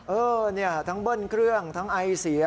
เออเนี่ยทั้งเบิ้ลเครื่องทั้งไอเสีย